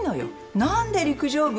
何で陸上部？